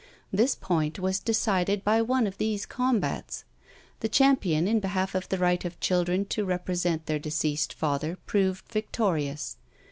This point was decided by one of these combats. The champion in behalf of the right of children to represent their deceased father proved victorious.